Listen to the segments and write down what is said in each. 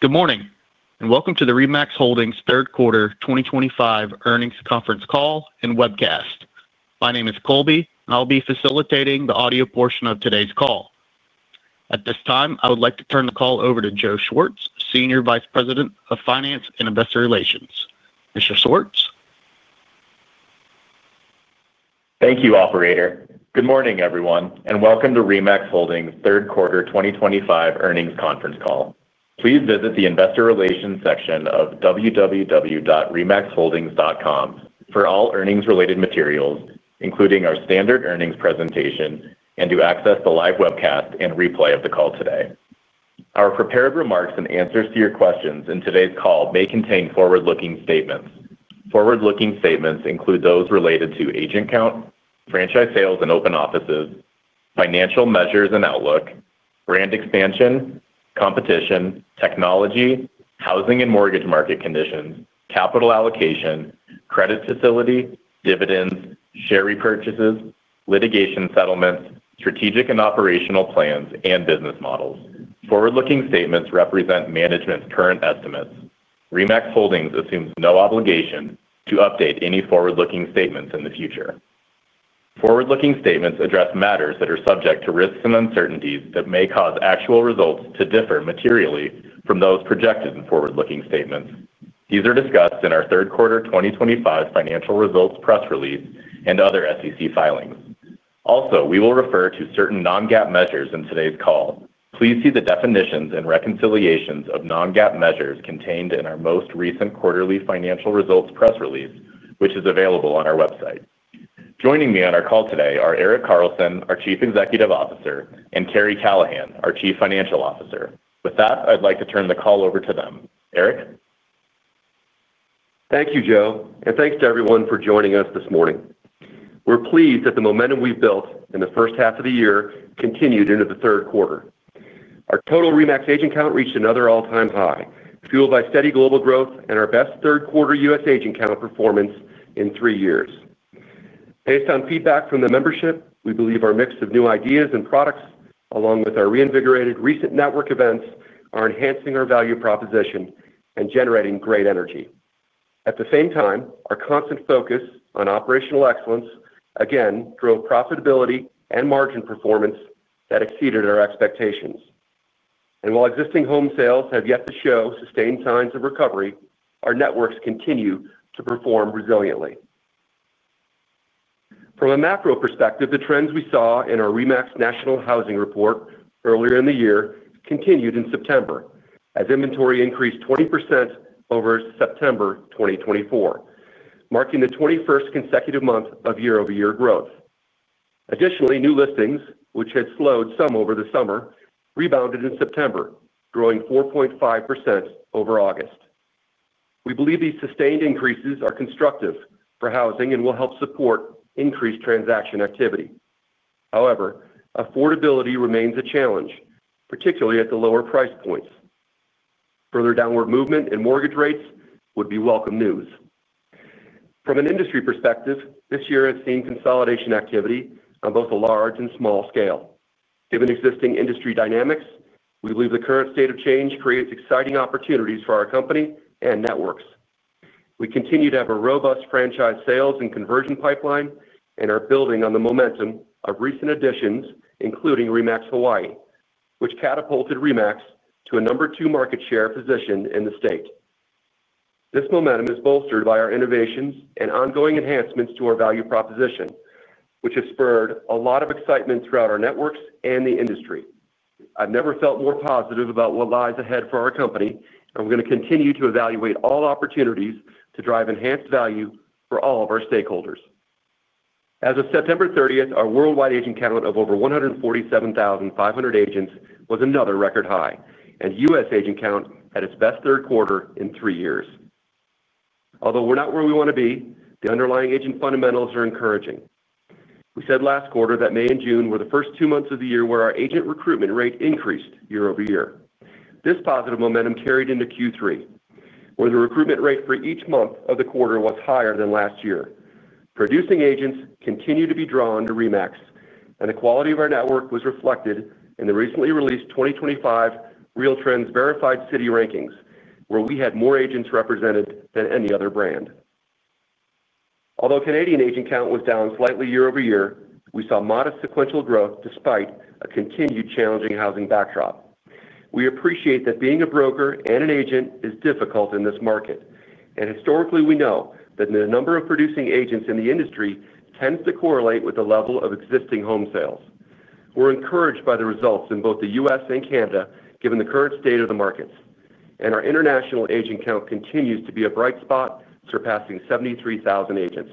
Good morning, and welcome to the RE/MAX Holdings Third Quarter 2025 Earnings Conference Call and webcast. My name is Colby, and I'll be facilitating the audio portion of today's call. At this time, I would like to turn the call over to Joe Schwartz, Senior Vice President of Finance and Investor Relations. Mr. Schwartz. Thank you, Operator. Good morning, everyone, and welcome to RE/MAX Holdings Third Quarter 2025 Earnings Conference Call. Please visit the investor relations section of www.remaxholdings.com for all earnings-related materials, including our standard earnings presentation, and to access the live webcast and replay of the call today. Our prepared remarks and answers to your questions in today's call may contain forward-looking statements. Forward-looking statements include those related to agent count, franchise sales and open offices, financial measures and outlook, brand expansion, competition, technology, housing and mortgage market conditions, capital allocation, credit facility, dividends, share repurchases, litigation settlements, strategic and operational plans, and business models. Forward-looking statements represent management's current estimates. RE/MAX Holdings assumes no obligation to update any forward-looking statements in the future. Forward-looking statements address matters that are subject to risks and uncertainties that may cause actual results to differ materially from those projected in forward-looking statements. These are discussed in our third quarter 2025 financial results press release and other SEC filings. Also, we will refer to certain non-GAAP measures in today's call. Please see the definitions and reconciliations of non-GAAP measures contained in our most recent quarterly financial results press release, which is available on our website. Joining me on our call today are Erik Carlson, our Chief Executive Officer, and Karri Callahan, our Chief Financial Officer. With that, I'd like to turn the call over to them. Erik? Thank you, Joe, and thanks to everyone for joining us this morning. We're pleased that the momentum we've built in the first half of the year continued into the third quarter. Our total RE/MAX agent count reached another all-time high, fueled by steady global growth and our best third quarter U.S. agent count performance in three years. Based on feedback from the membership, we believe our mix of new ideas and products, along with our reinvigorated recent network events, are enhancing our value proposition and generating great energy. At the same time, our constant focus on operational excellence again drove profitability and margin performance that exceeded our expectations. While existing home sales have yet to show sustained signs of recovery, our networks continue to perform resiliently. From a macro perspective, the trends we saw in our RE/MAX national housing report earlier in the year continued in September, as inventory increased 20% over September 2024, marking the 21st consecutive month of year-over-year growth. Additionally, new listings, which had slowed some over the summer, rebounded in September, growing 4.5% over August. We believe these sustained increases are constructive for housing and will help support increased transaction activity. However, affordability remains a challenge, particularly at the lower price points. Further downward movement in mortgage rates would be welcome news. From an industry perspective, this year has seen consolidation activity on both a large and small scale. Given existing industry dynamics, we believe the current state of change creates exciting opportunities for our company and networks. We continue to have a robust franchise sales and conversion pipeline and are building on the momentum of recent additions, including RE/MAX Hawaii, which catapulted RE/MAX to a number two market share position in the state. This momentum is bolstered by our innovations and ongoing enhancements to our value proposition, which have spurred a lot of excitement throughout our networks and the industry. I've never felt more positive about what lies ahead for our company, and we're going to continue to evaluate all opportunities to drive enhanced value for all of our stakeholders. As of September 30th, our worldwide agent count of over 147,500 agents was another record high, and U.S. agent count at its best third quarter in three years. Although we're not where we want to be, the underlying agent fundamentals are encouraging. We said last quarter that May and June were the first two months of the year where our agent recruitment rate increased year-over-year. This positive momentum carried into Q3, where the recruitment rate for each month of the quarter was higher than last year. Producing agents continued to be drawn to RE/MAX, and the quality of our network was reflected in the recently released 2025 RealTrends Verified City Rankings, where we had more agents represented than any other brand. Although Canadian agent count was down slightly year-over-year, we saw modest sequential growth despite a continued challenging housing backdrop. We appreciate that being a broker and an agent is difficult in this market, and historically we know that the number of producing agents in the industry tends to correlate with the level of existing home sales. We're encouraged by the results in both the U.S. and Canada, given the current state of the markets, and our international agent count continues to be a bright spot, surpassing 73,000 agents.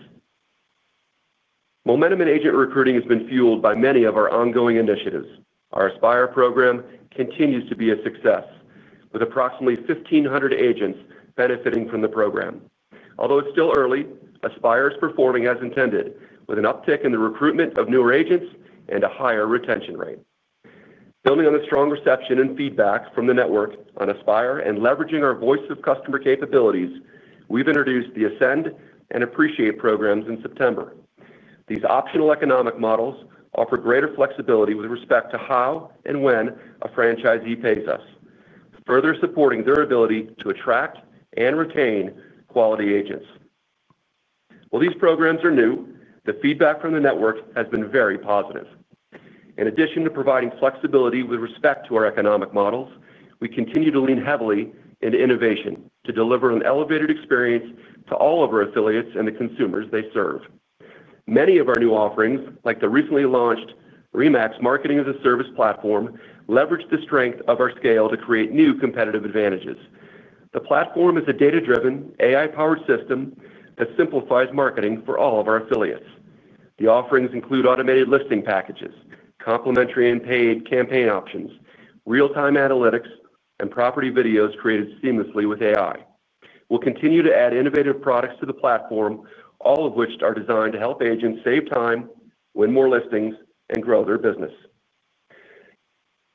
Momentum in agent recruiting has been fueled by many of our ongoing initiatives. Our Aspire program continues to be a success, with approximately 1,500 agents benefiting from the program. Although it's still early, Aspire is performing as intended, with an uptick in the recruitment of newer agents and a higher retention rate. Building on the strong reception and feedback from the network on Aspire and leveraging our voice of customer capabilities, we've introduced the Ascend and Appreciate programs in September. These optional economic models offer greater flexibility with respect to how and when a franchisee pays us, further supporting their ability to attract and retain quality agents. While these programs are new, the feedback from the network has been very positive. In addition to providing flexibility with respect to our economic models, we continue to lean heavily into innovation to deliver an elevated experience to all of our affiliates and the consumers they serve. Many of our new offerings, like the recently launched RE/MAX Marketing as a Service platform, leverage the strength of our scale to create new competitive advantages. The platform is a data-driven, AI-powered system that simplifies marketing for all of our affiliates. The offerings include automated listing packages, complimentary and paid campaign options, real-time analytics, and property videos created seamlessly with AI. We'll continue to add innovative products to the platform, all of which are designed to help agents save time, win more listings, and grow their business.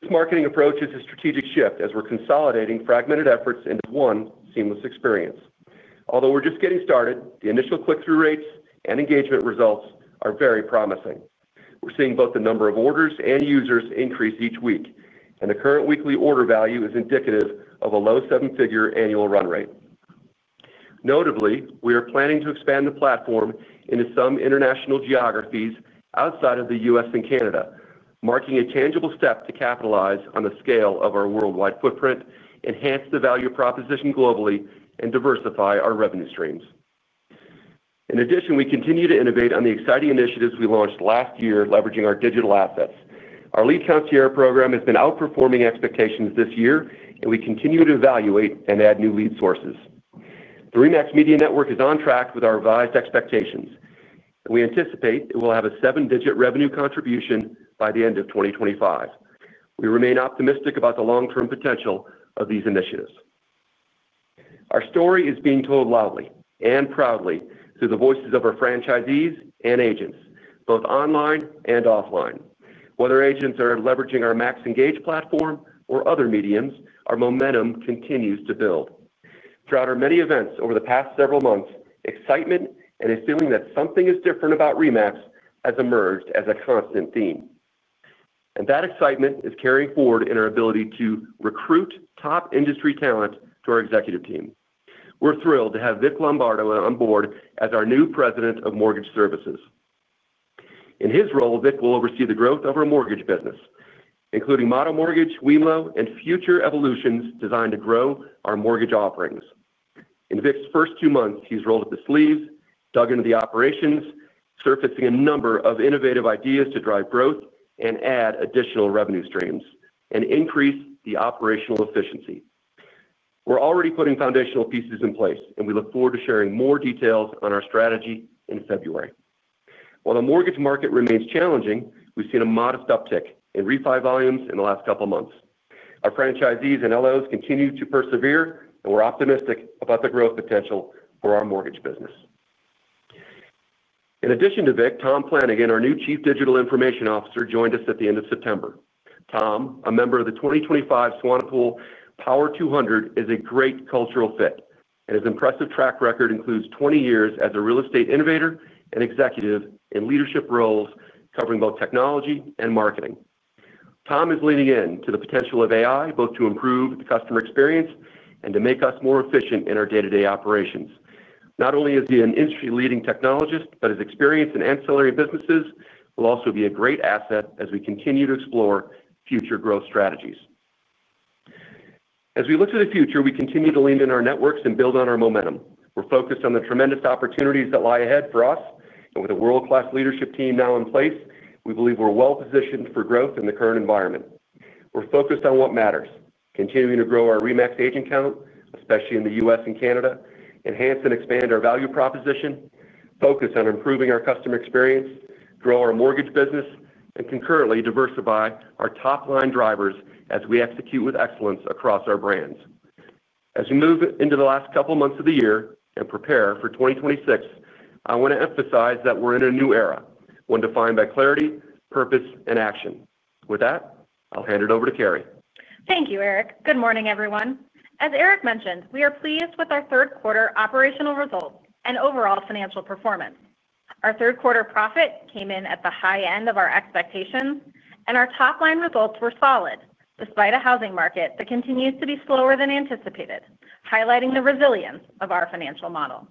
This marketing approach is a strategic shift as we're consolidating fragmented efforts into one seamless experience. Although we're just getting started, the initial click-through rates and engagement results are very promising. We're seeing both the number of orders and users increase each week, and the current weekly order value is indicative of a low seven-figure annual run rate. Notably, we are planning to expand the platform into some international geographies outside of the U.S. and Canada, marking a tangible step to capitalize on the scale of our worldwide footprint, enhance the value proposition globally, and diversify our revenue streams. In addition, we continue to innovate on the exciting initiatives we launched last year, leveraging our digital assets. Our Lead Concierge program has been outperforming expectations this year, and we continue to evaluate and add new lead sources. The RE/MAX Media Network is on track with our revised expectations, and we anticipate it will have a seven-digit revenue contribution by the end of 2025. We remain optimistic about the long-term potential of these initiatives. Our story is being told loudly and proudly through the voices of our franchisees and agents, both online and offline. Whether agents are leveraging our MaxEngage platform or other mediums, our momentum continues to build. Throughout our many events over the past several months, excitement and a feeling that something is different about RE/MAX has emerged as a constant theme. That excitement is carried forward in our ability to recruit top industry talent to our executive team. We're thrilled to have Vic Lombardo on board as our new president of mortgage services. In his role, Vic will oversee the growth of our mortgage business, including Motto Mortgage, Wemlo, and future evolutions designed to grow our mortgage offerings. In Vic's first two months, he's rolled up his sleeves, dug into the operations, surfacing a number of innovative ideas to drive growth and add additional revenue streams and increase the operational efficiency. We're already putting foundational pieces in place, and we look forward to sharing more details on our strategy in February. While the mortgage market remains challenging, we've seen a modest uptick in refi volumes in the last couple of months. Our franchisees and LOs continue to persevere, and we're optimistic about the growth potential for our mortgage business. In addition to Vic, Tom Flanagan, our new Chief Digital Information Officer, joined us at the end of September. Tom, a member of the 2025 Swanepoel Power 200, is a great cultural fit, and his impressive track record includes 20 years as a real estate innovator and executive in leadership roles covering both technology and marketing. Tom is leaning into the potential of AI, both to improve the customer experience and to make us more efficient in our day-to-day operations. Not only is he an industry-leading technologist, but his experience in ancillary businesses will also be a great asset as we continue to explore future growth strategies. As we look to the future, we continue to lean in our networks and build on our momentum. We're focused on the tremendous opportunities that lie ahead for us, and with a world-class leadership team now in place, we believe we're well-positioned for growth in the current environment. We're focused on what matters: continuing to grow our RE/MAX agent count, especially in the U.S. and Canada, enhance and expand our value proposition, focus on improving our customer experience, grow our mortgage business, and concurrently diversify our top-line drivers as we execute with excellence across our brands. As we move into the last couple of months of the year and prepare for 2026, I want to emphasize that we're in a new era, one defined by clarity, purpose, and action. With that, I'll hand it over to Karri. Thank you, Erik. Good morning, everyone. As Erik mentioned, we are pleased with our third quarter operational results and overall financial performance. Our third quarter profit came in at the high end of our expectations, and our top-line results were solid despite a housing market that continues to be slower than anticipated, highlighting the resilience of our financial model.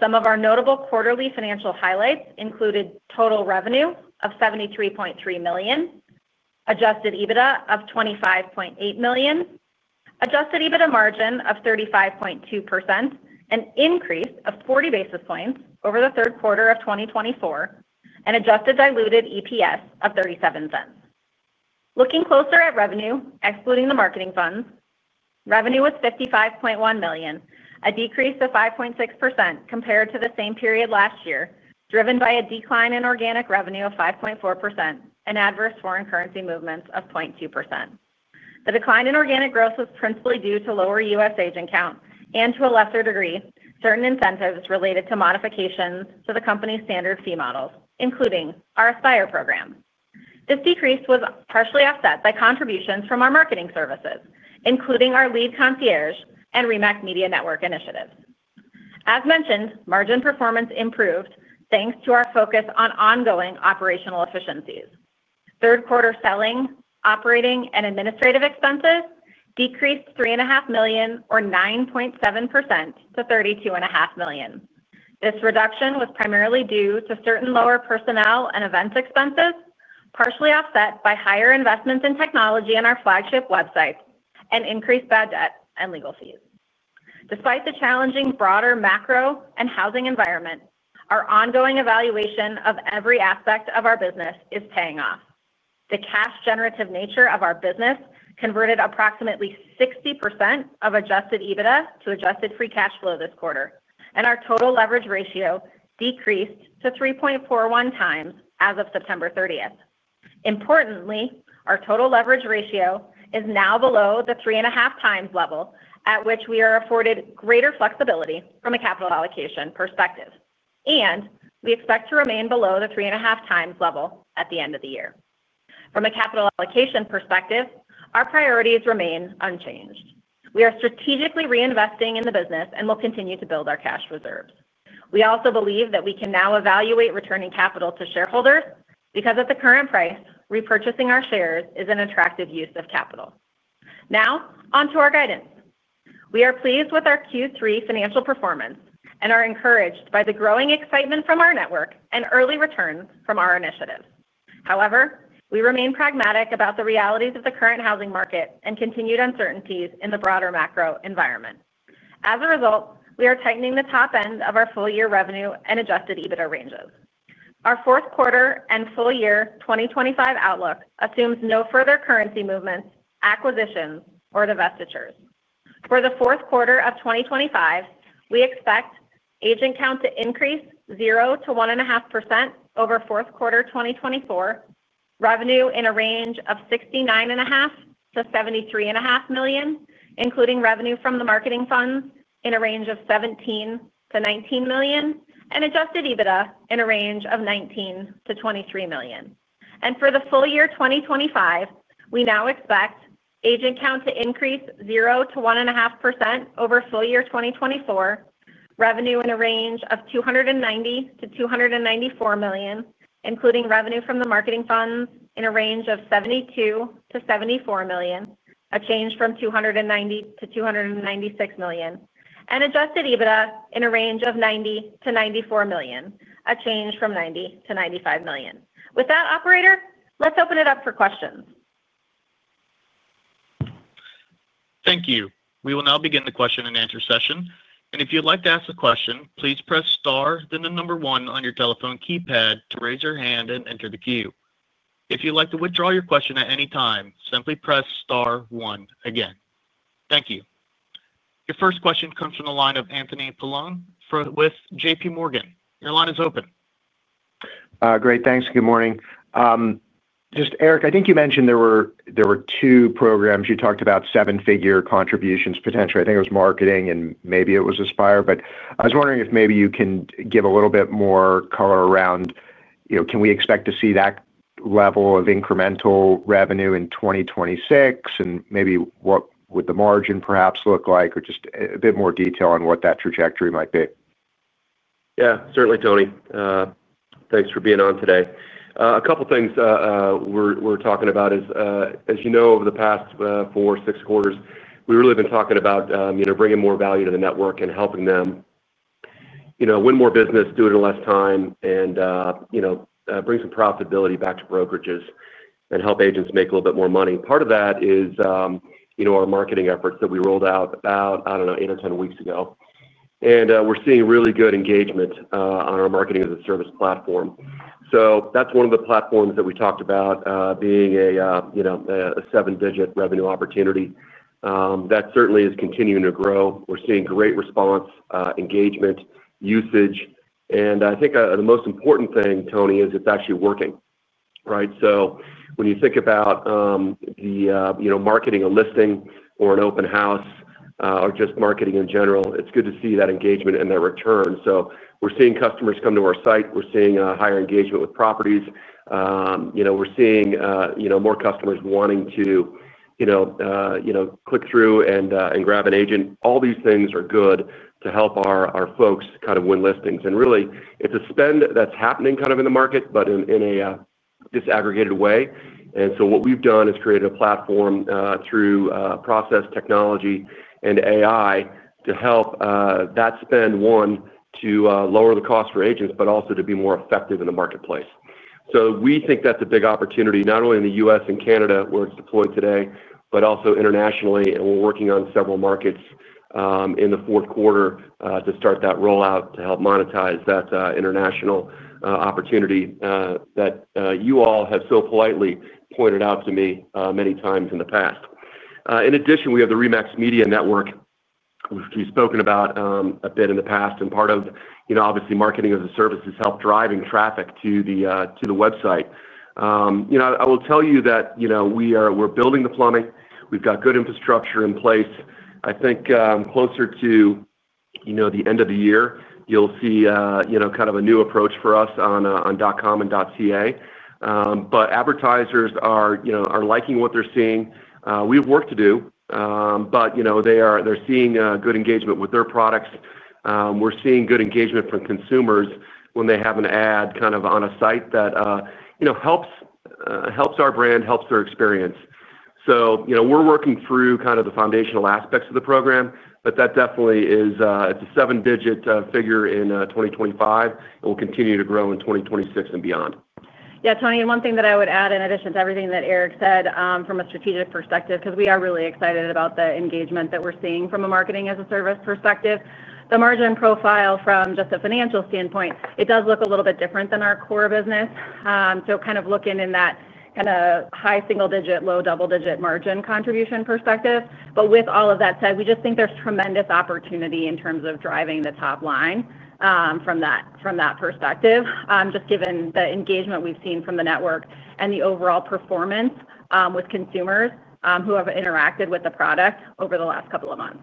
Some of our notable quarterly financial highlights included total revenue of $73.3 million, adjusted EBITDA of $25.8 million, adjusted EBITDA margin of 35.2%, an increase of 40 basis points over the third quarter of 2024, and adjusted diluted EPS of $0.37. Looking closer at revenue, excluding the marketing funds, revenue was $55.1 million, a decrease of 5.6% compared to the same period last year, driven by a decline in organic revenue of 5.4% and adverse foreign currency movements of 0.2%. The decline in organic growth was principally due to lower U.S. agent count and, to a lesser degree, certain incentives related to modifications to the company's standard fee models, including our Aspire program. This decrease was partially offset by contributions from our marketing services, including our Lead Concierge and RE/MAX Media Network initiatives. As mentioned, margin performance improved thanks to our focus on ongoing operational efficiencies. Third quarter selling, operating, and administrative expenses decreased $3.5 million, or 9.7%, to $32.5 million. This reduction was primarily due to certain lower personnel and events expenses, partially offset by higher investments in technology and our flagship website, and increased bad debt and legal fees. Despite the challenging broader macro and housing environment, our ongoing evaluation of every aspect of our business is paying off. The cash-generative nature of our business converted approximately 60% of adjusted EBITDA to adjusted free cash flow this quarter, and our total leverage ratio decreased to 3.41x as of September 30th. Importantly, our total leverage ratio is now below the 3.5x level at which we are afforded greater flexibility from a capital allocation perspective, and we expect to remain below the 3.5x level at the end of the year. From a capital allocation perspective, our priorities remain unchanged. We are strategically reinvesting in the business and will continue to build our cash reserves. We also believe that we can now evaluate returning capital to shareholders because, at the current price, repurchasing our shares is an attractive use of capital. Now, onto our guidance. We are pleased with our Q3 financial performance and are encouraged by the growing excitement from our network and early returns from our initiatives. However, we remain pragmatic about the realities of the current housing market and continued uncertainties in the broader macro-economic environment. As a result, we are tightening the top end of our full-year revenue and adjusted EBITDA ranges. Our fourth quarter and full-year 2025 outlook assumes no further currency movements, acquisitions, or divestitures. For the fourth quarter of 2025, we expect agent count to increase 0% to 1.5% over fourth quarter 2024, revenue in a range of $69.5 million- $73.5 million, including revenue from the marketing funds in a range of $17 million-$19 million, and adjusted EBITDA in a range of $19 million-$23 million. For the full-year 2025, we now expect agent count to increase 0% to 1.5% over full-year 2024, revenue in a range of $290 million-$294 million, including revenue from the marketing funds in a range of $72 million-$74 million, a change from $290 million to $296 million, and adjusted EBITDA in a range of $90 million-$94 million, a change from $90 million to $95 million. With that, operator, let's open it up for questions. Thank you. We will now begin the question and answer session. If you'd like to ask a question, please press star then the number one on your telephone keypad to raise your hand and enter the queue. If you'd like to withdraw your question at any time, simply press star one again. Thank you. Your first question comes from the line of Anthony Paolone with JPMorgan. Your line is open. Great. Thanks. Good morning. Erik, I think you mentioned there were two programs. You talked about seven-figure contributions potentially. I think it was marketing and maybe it was Aspire, but I was wondering if maybe you can give a little bit more color around. Can we expect to see that level of incremental revenue in 2026? Maybe what would the margin perhaps look like, or just a bit more detail on what that trajectory might be. Yeah. Certainly, Tony. Thanks for being on today. A couple of things. We're talking about is, as you know, over the past four, six quarters, we've really been talking about bringing more value to the network and helping them win more business, do it in less time, and bring some profitability back to brokerages and help agents make a little bit more money. Part of that is our marketing efforts that we rolled out about, I don't know, eight or 10 weeks ago. We're seeing really good engagement on our Marketing as a Service platform. That's one of the platforms that we talked about being a seven-digit revenue opportunity. That certainly is continuing to grow. We're seeing great response, engagement, usage. I think the most important thing, Tony, is it's actually working, right? When you think about the marketing of a listing or an open house or just marketing in general, it's good to see that engagement and that return. We're seeing customers come to our site. We're seeing higher engagement with properties. We're seeing more customers wanting to click through and grab an agent. All these things are good to help our folks kind of win listings. Really, it's a spend that's happening kind of in the market, but in a disaggregated way. What we've done is created a platform through process, technology, and AI to help that spend, one, to lower the cost for agents, but also to be more effective in the marketplace. We think that's a big opportunity, not only in the U.S. and Canada where it's deployed today, but also internationally. We're working on several markets in the fourth quarter to start that rollout to help monetize that international opportunity that you all have so politely pointed out to me many times in the past. In addition, we have the RE/MAX Media Network, which we've spoken about a bit in the past. Part of, obviously, Marketing as a Service is help driving traffic to the website. I will tell you that we're building the plumbing. We've got good infrastructure in place. I think closer to the end of the year, you'll see kind of a new approach for us on .com and .ca. Advertisers are liking what they're seeing. We have work to do, but they're seeing good engagement with their products. We're seeing good engagement from consumers when they have an ad kind of on a site that helps our brand, helps their experience. We're working through kind of the foundational aspects of the program, but that definitely is a seven-digit figure in 2025. It will continue to grow in 2026 and beyond. Yeah, Tony, one thing that I would add in addition to everything that Erik said from a strategic perspective, because we are really excited about the engagement that we're seeing from a Marketing as a Service perspective, the margin profile from just a financial standpoint does look a little bit different than our core business. Kind of looking in that high single-digit, low double-digit margin contribution perspective. With all of that said, we just think there's tremendous opportunity in terms of driving the top line from that perspective, just given the engagement we've seen from the network and the overall performance with consumers who have interacted with the product over the last couple of months.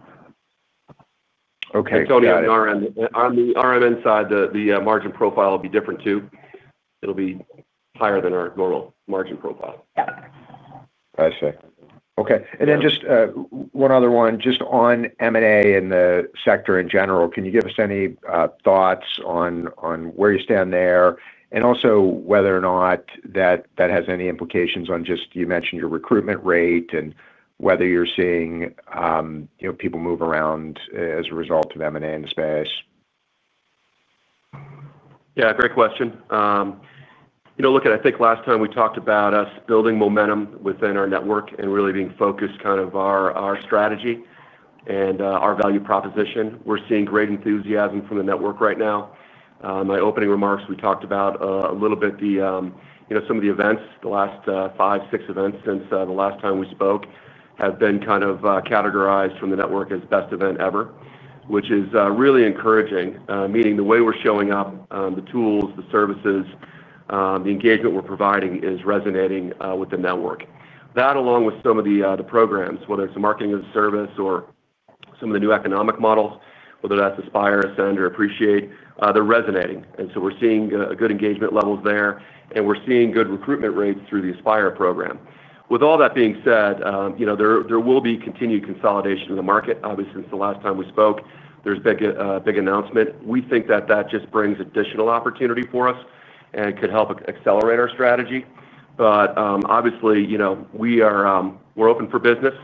Okay. Tony, on the RMN side, the margin profile will be different too. It'll be higher than our normal margin profile. I see. Okay. Just one other one. On M&A and the sector in general, can you give us any thoughts on where you stand there and also whether or not that has any implications on, you mentioned, your recruitment rate and whether you're seeing people move around as a result of M&A in the space? Yeah. Great question. I think last time we talked about us building momentum within our network and really being focused on our strategy and our value proposition. We're seeing great enthusiasm from the network right now. In my opening remarks, we talked a little bit about some of the events, the last five, six events since the last time we spoke, have been categorized from the network as best event ever, which is really encouraging, meaning the way we're showing up, the tools, the services, the engagement we're providing is resonating with the network. That, along with some of the programs, whether it's Marketing as a Service or some of the new economic models, whether that's Aspire, Ascend, or Appreciate, they're resonating. We're seeing good engagement levels there, and we're seeing good recruitment rates through the Aspire program. With all that being said, there will be continued consolidation in the market. Obviously, since the last time we spoke, there's been a big announcement. We think that just brings additional opportunity for us and could help accelerate our strategy. Obviously, we're open for business.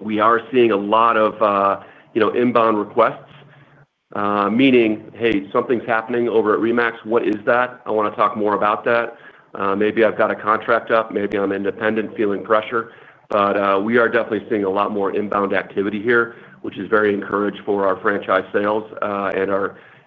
We are seeing a lot of inbound requests, meaning, "Hey, something's happening over at RE/MAX. What is that? I want to talk more about that." Maybe I've got a contract up. Maybe I'm independent, feeling pressure. We are definitely seeing a lot more inbound activity here, which is very encouraging for our franchise sales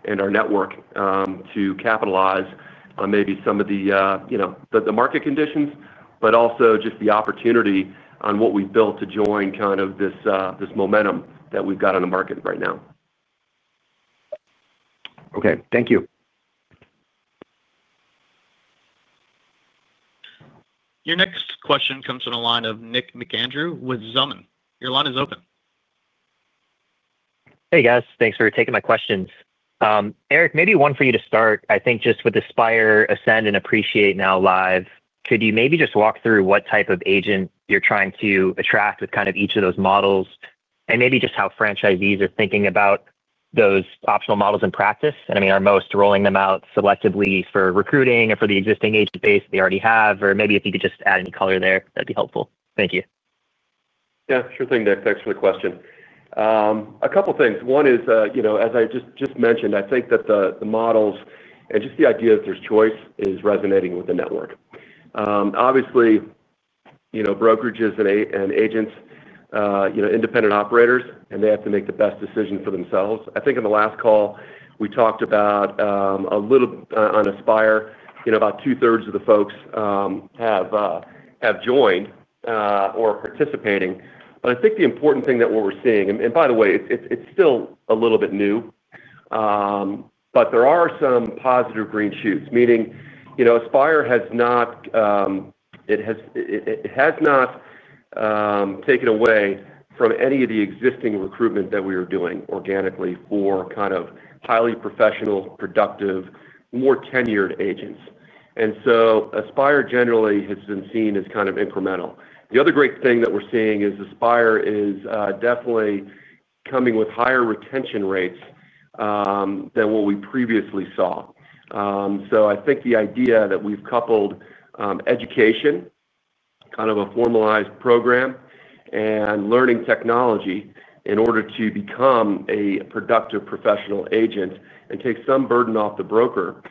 and our network to capitalize on maybe some of the market conditions, but also just the opportunity on what we've built to join this momentum that we've got on the market right now. Okay, thank you. Your next question comes from the line of Nick McAndrew with Zelman. Your line is open. Hey, guys. Thanks for taking my questions. Erik, maybe one for you to start, I think, just with Aspire, Ascend, and Appreciate now live. Could you maybe just walk through what type of agent you're trying to attract with kind of each of those models and maybe just how franchisees are thinking about those optional models in practice? I mean, are most rolling them out selectively for recruiting or for the existing agent base they already have? If you could just add any color there, that'd be helpful. Thank you. Yeah. Sure thing, Nick. Thanks for the question. A couple of things. One is, as I just mentioned, I think that the models and just the idea that there's choice is resonating with the network. Obviously, brokerages and agents, independent operators, and they have to make the best decision for themselves. I think in the last call, we talked about a little on Aspire, about 2/3 of the folks have joined or are participating. I think the important thing that we're seeing, and by the way, it's still a little bit new, is that there are some positive green shoots, meaning Aspire has not taken away from any of the existing recruitment that we are doing organically for kind of highly professional, productive, more tenured agents. Aspire generally has been seen as kind of incremental. The other great thing that we're seeing is Aspire is definitely coming with higher retention rates than what we previously saw. I think the idea that we've coupled education, kind of a formalized program, and learning technology in order to become a productive professional agent and take some burden off the broker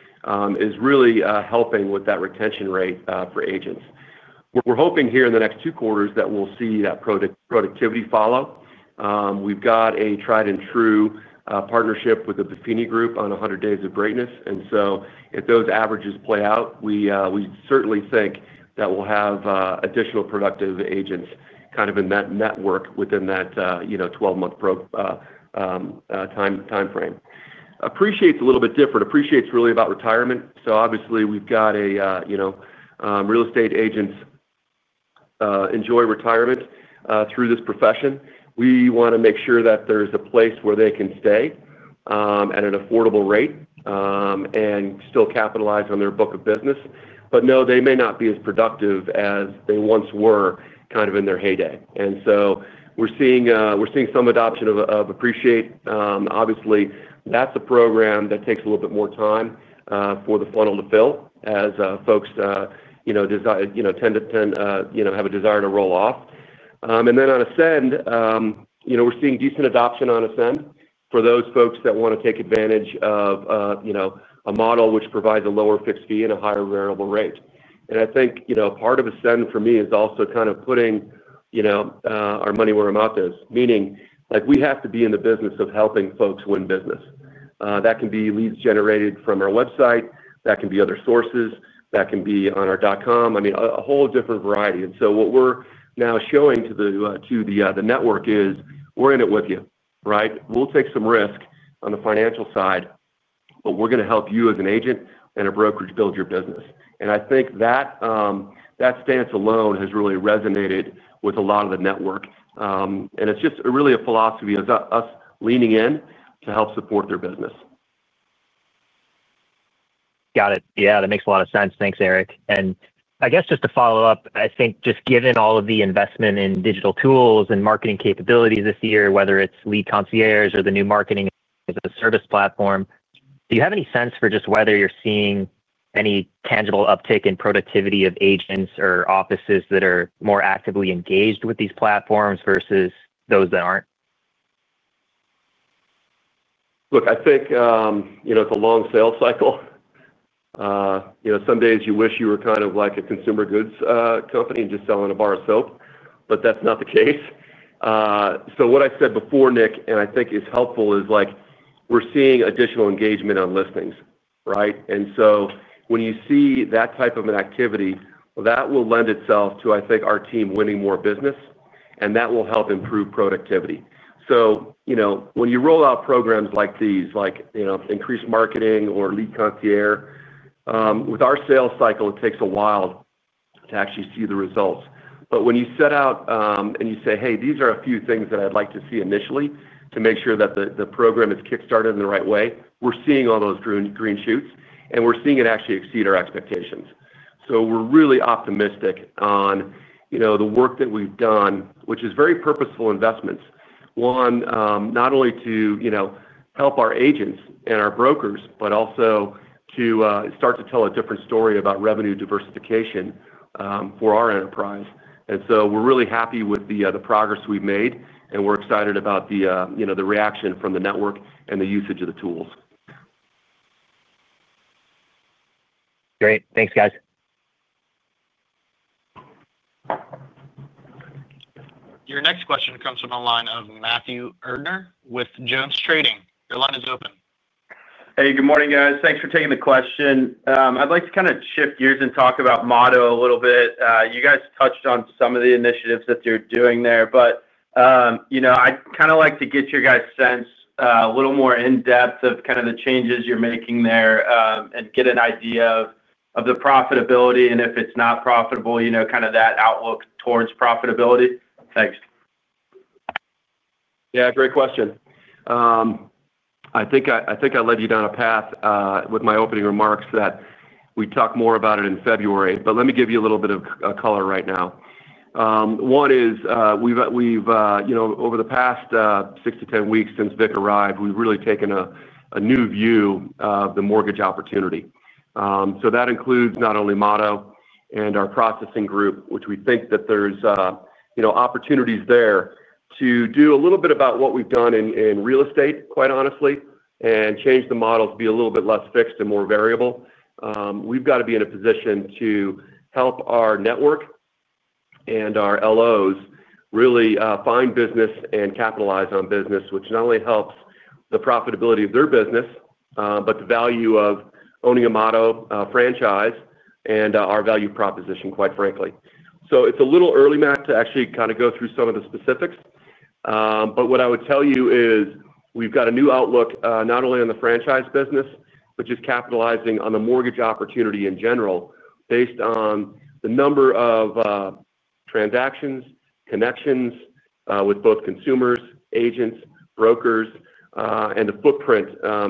is really helping with that retention rate for agents. We're hoping here in the next two quarters that we'll see that productivity follow. We've got a tried-and-true partnership with the Buffini Group on 100 Days to Greatness, and if those averages play out, we certainly think that we'll have additional productive agents kind of in that network within that 12-month timeframe. Appreciate's a little bit different. Appreciate's really about retirement. Obviously, we've got real estate agents who enjoy retirement through this profession. We want to make sure that there's a place where they can stay at an affordable rate and still capitalize on their book of business, but no, they may not be as productive as they once were kind of in their heyday. We're seeing some adoption of Appreciate. Obviously, that's a program that takes a little bit more time for the funnel to fill as folks tend to have a desire to roll off. On Ascend, we're seeing decent adoption on Ascend for those folks that want to take advantage of a model which provides a lower fixed fee and a higher variable rate. I think part of Ascend for me is also kind of putting our money where our mouth is, meaning we have to be in the business of helping folks win business. That can be leads generated from our website. That can be other sources. That can be on our .com, I mean, a whole different variety. What we're now showing to the network is we're in it with you, right? We'll take some risk on the financial side, but we're going to help you as an agent and a broker to build your business. I think that stance alone has really resonated with a lot of the network. It's just really a philosophy of us leaning in to help support their business. Got it. Yeah, that makes a lot of sense. Thanks, Erik. I guess just to follow up, I think just given all of the investment in digital tools and marketing capabilities this year, whether it's Lead Concierge or the new Marketing as a Service platform, do you have any sense for just whether you're seeing any tangible uptick in productivity of agents or offices that are more actively engaged with these platforms versus those that aren't? Look, I think it's a long sales cycle. Some days you wish you were kind of like a consumer goods company and just selling a bar of soap, but that's not the case. What I said before, Nick, and I think is helpful, is we're seeing additional engagement on listings, right? When you see that type of an activity, that will lend itself to, I think, our team winning more business, and that will help improve productivity. When you roll out programs like these, like increased marketing or Lead Concierge, with our sales cycle, it takes a while to actually see the results. When you set out and you say, "Hey, these are a few things that I'd like to see initially to make sure that the program is kickstarted in the right way," we're seeing all those green shoots, and we're seeing it actually exceed our expectations. We're really optimistic on the work that we've done, which is very purposeful investments, one, not only to help our agents and our brokers, but also to start to tell a different story about revenue diversification for our enterprise. We're really happy with the progress we've made, and we're excited about the reaction from the network and the usage of the tools. Great. Thanks, guys. Your next question comes from the line of Matthew Erdner with JonesTrading. Your line is open. Hey, good morning, guys. Thanks for taking the question. I'd like to kind of shift gears and talk about Motto a little bit. You guys touched on some of the initiatives that you're doing there, but I'd kind of like to get your guys' sense a little more in-depth of kind of the changes you're making there and get an idea of the profitability and if it's not profitable, kind of that outlook towards profitability. Thanks. Yeah. Great question. I think I led you down a path with my opening remarks that we talk more about it in February, but let me give you a little bit of color right now. One is we've, over the past six to 10 weeks since Vic arrived, really taken a new view of the mortgage opportunity. That includes not only Motto and our processing group, which we think that there's opportunities there to do a little bit about what we've done in real estate, quite honestly, and change the model to be a little bit less fixed and more variable. We've got to be in a position to help our network and our LOs really find business and capitalize on business, which not only helps the profitability of their business, but the value of owning a Motto franchise and our value proposition, quite frankly. It's a little early, Matt, to actually kind of go through some of the specifics. What I would tell you is we've got a new outlook not only on the franchise business, but just capitalizing on the mortgage opportunity in general based on the number of transactions, connections with both consumers, agents, brokers, and the footprint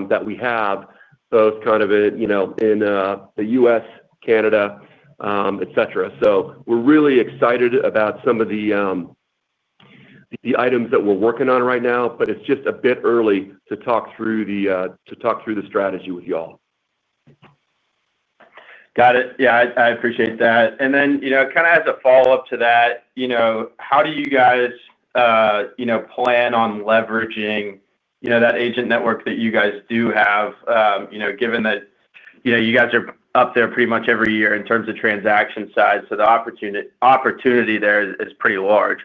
that we have, both in the U.S., Canada, etc. We're really excited about some of the items that we're working on right now, but it's just a bit early to talk through the strategy with y'all. Got it. I appreciate that. As a follow-up to that, how do you guys plan on leveraging that agent network that you guys do have, given that you guys are up there pretty much every year in terms of transaction size? The opportunity there is pretty large.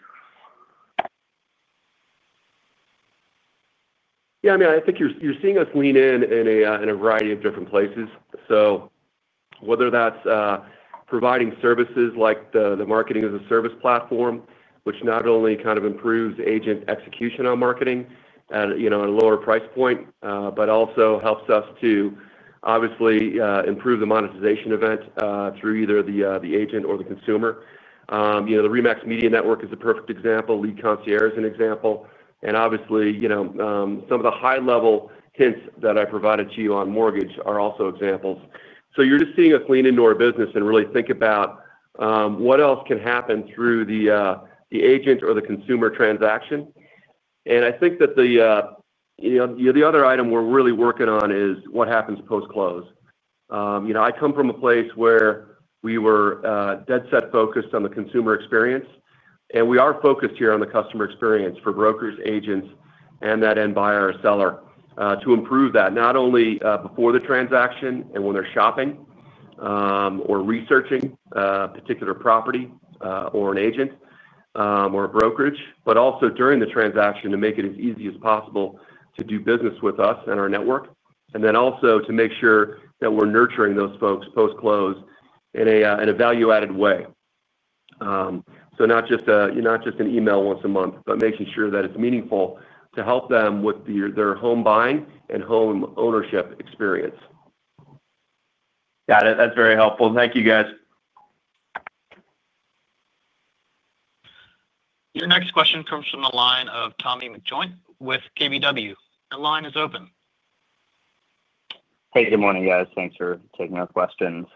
Yeah. I mean, I think you're seeing us lean in in a variety of different places. Whether that's providing services like the Marketing as a Service platform, which not only kind of improves agent execution on marketing at a lower price point, but also helps us to obviously improve the monetization event through either the agent or the consumer. The RE/MAX Media Network is a perfect example. Lead Concierge is an example. Obviously, some of the high-level hints that I provided to you on mortgage are also examples. You're just seeing us lean into our business and really think about what else can happen through the agent or the consumer transaction. I think that the other item we're really working on is what happens post-close. I come from a place where we were dead set focused on the consumer experience, and we are focused here on the customer experience for brokers, agents, and that end buyer or seller to improve that not only before the transaction and when they're shopping or researching a particular property or an agent or a brokerage, but also during the transaction to make it as easy as possible to do business with us and our network. Also, to make sure that we're nurturing those folks post-close in a value-added way, not just an email once a month, but making sure that it's meaningful to help them with their home buying and home ownership experience. Got it. That's very helpful. Thank you, guys. Your next question comes from the line of Tommy McJoynt with KBW. The line is open. Hey, good morning, guys. Thanks for taking our questions.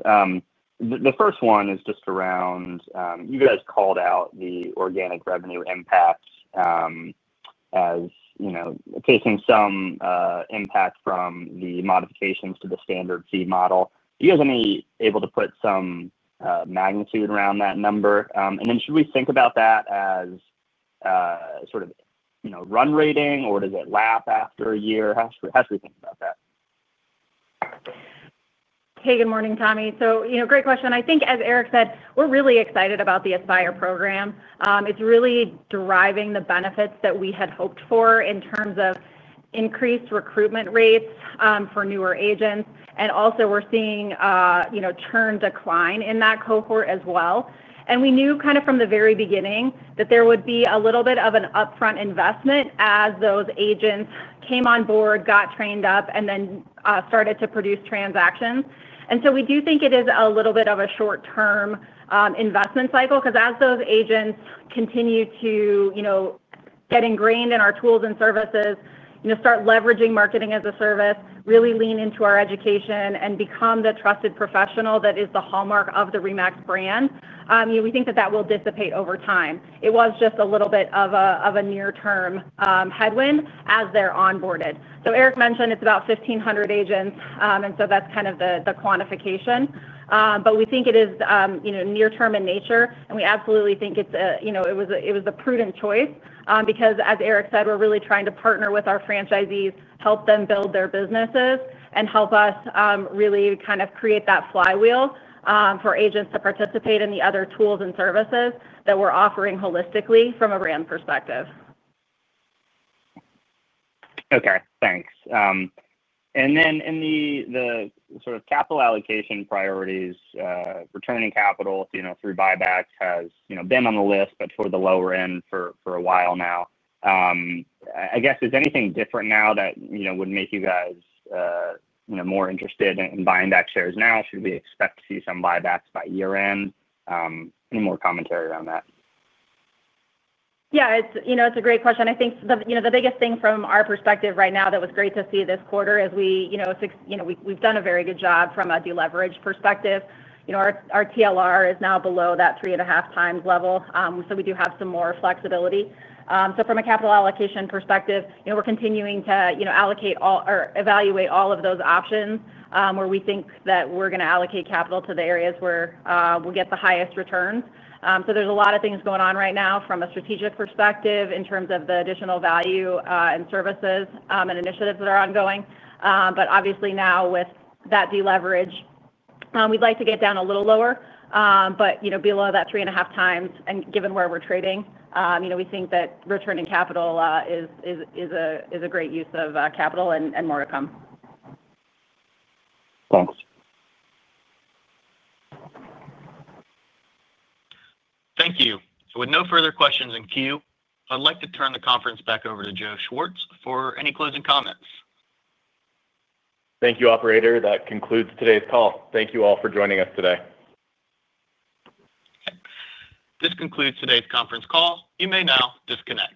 The first one is just around, you guys called out the organic revenue impacts as facing some impact from the modifications to the standard fee model. Do you guys want to be able to put some magnitude around that number? Should we think about that as sort of run rating, or does it lap after a year? How should we think about that? Hey, good morning, Tommy. Great question. I think, as Erik said, we're really excited about the Aspire program. It's really driving the benefits that we had hoped for in terms of increased recruitment rates for newer agents. We're seeing a churn decline in that cohort as well. We knew from the very beginning that there would be a little bit of an upfront investment as those agents came on board, got trained up, and then started to produce transactions. We do think it is a little bit of a short-term investment cycle because as those agents continue to get ingrained in our tools and services, start leveraging Marketing as a Service, really lean into our education, and become the trusted professional that is the hallmark of the RE/MAX brand, we think that that will dissipate over time. It was just a little bit of a near-term headwind as they're onboarded. Erik mentioned it's about 1,500 agents, and that's the quantification. We think it is near-term in nature, and we absolutely think it was a prudent choice because, as Erik said, we're really trying to partner with our franchisees, help them build their businesses, and help us really create that flywheel for agents to participate in the other tools and services that we're offering holistically from a brand perspective. Okay. Thanks. In the sort of capital allocation priorities, returning capital through buybacks has been on the list, but toward the lower end for a while now. I guess, is anything different now that would make you guys more interested in buying back shares now? Should we expect to see some buybacks by year-end? Any more commentary around that? Yeah. It's a great question. I think the biggest thing from our perspective right now that was great to see this quarter is we've done a very good job from a deleverage perspective. Our TLR is now below that 3.5x level, so we do have some more flexibility. From a capital allocation perspective, we're continuing to allocate or evaluate all of those options where we think that we're going to allocate capital to the areas where we'll get the highest returns. There's a lot of things going on right now from a strategic perspective in terms of the additional value and services and initiatives that are ongoing. Obviously now with that deleverage, we'd like to get down a little lower, but below that 3.5x. Given where we're trading, we think that returning capital is a great use of capital and more to come. Thanks. Thank you. With no further questions in queue, I'd like to turn the conference back over to Joe Schwartz for any closing comments. Thank you, Operator. That concludes today's call. Thank you all for joining us today. This concludes today's conference call. You may now disconnect.